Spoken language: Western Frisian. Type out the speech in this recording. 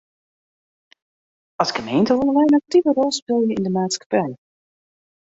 As gemeente wolle wy in aktive rol spylje yn de maatskippij.